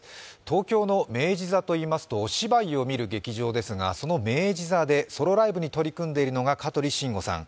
東京の明治座といいますとお芝居を見る劇場ですがその明治座でソロライブに取り組んでいるのが香取慎吾さん。